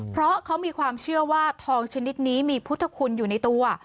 เพราะเขามีความเชื่อว่าทองชนิดนี้มีพุทธคุณอยู่ในตัว